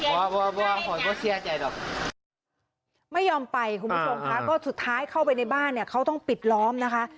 ไม่ยอมไปขุมทรงพระก็สุดท้ายเข้าไปในบ้านเขาต้องปิดล้อมนะคะ